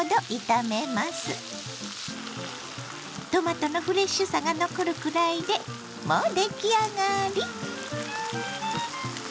トマトのフレッシュさが残るくらいでもう出来上がり！